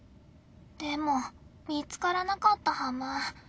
でも見つからなかったはむぅ。